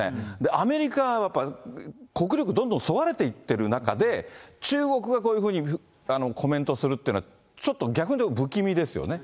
アメリカはやっぱ、国力どんどんそがれていってる中で、中国がこういうふうにコメントするっていうのは、ちょっと逆に不気味ですよね。